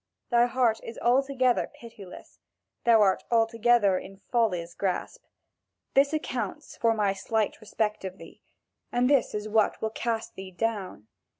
Thy heart is altogether pitiless: thou art altogether in folly's grasp. This accounts for my slight respect for thee, and this is what will cast thee down.